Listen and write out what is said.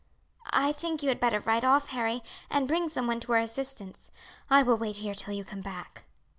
"I think you had better ride off, Harry, and bring some one to our assistance. I will wait here till you come back."